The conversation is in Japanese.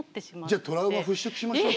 じゃあトラウマを払拭しましょう。